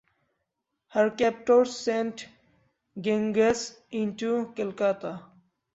Her captors sent "Ganges" into Calcutta.